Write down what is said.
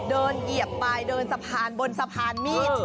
เหยียบไปเดินสะพานบนสะพานมีด